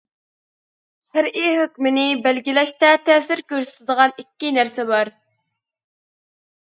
شەرئى ھۆكمىنى بەلگىلەشتە تەسىر كۆرسىتىدىغان ئىككى نەرسە بار.